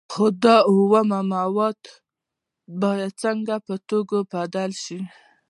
خو دا اومه مواد باید څنګه په توکو بدل شي